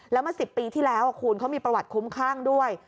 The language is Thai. แล้วมา๑๐ปีที่แล้วคุณเขามีประวัติคุ้มข้างด้วย